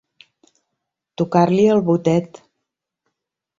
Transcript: Tocar-li el botet.